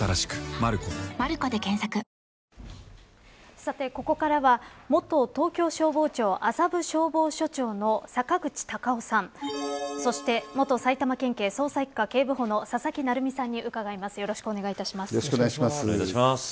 さてここからは元東京消防庁麻布消防署長の坂口隆夫さんそして元埼玉県警捜査一課警部補の佐々木成三さんによろしくお願いいたします。